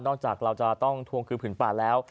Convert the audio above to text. จากเราจะต้องทวงคืนผืนป่าแล้ว